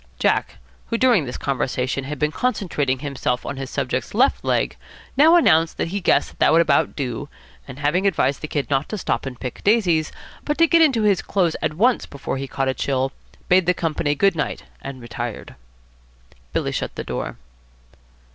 Jack, who during this conversation had been concentrating himself on his subject's left leg, now announced that he guessed that would about do, and having advised the Kid not to stop and pick daisies, but to get into his clothes at once before he caught a chill, bade the company good night and retired. Billy shut the door.